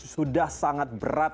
sudah sangat berat